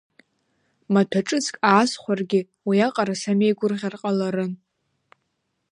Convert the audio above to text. Маҭәа ҿыцк аасхәаргьы уиаҟара самеигәырӷьар ҟаларын.